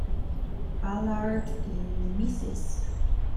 Ballard in "Mrs.